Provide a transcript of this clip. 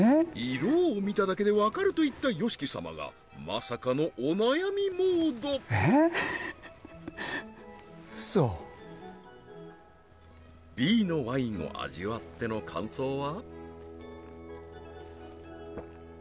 色を見ただけでわかると言ったＹＯＳＨＩＫＩ様がまさかのお悩みモードＢのワインを味わっての感想は？